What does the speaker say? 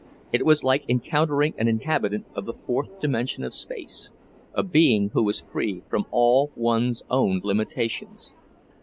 It was like encountering an inhabitant of the fourth dimension of space, a being who was free from all one's own limitations.